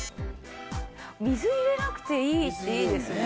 水入れなくていいっていいですね。